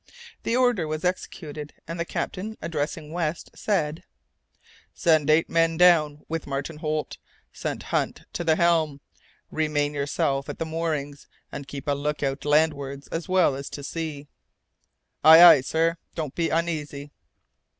The order was executed, and the captain, addressing West, said, "Send eight men down with Martin Holt; send Hunt to the helm. Remain yourself at the moorings, and keep a look out landwards as well as to sea." "Aye, aye, sir; don't be uneasy."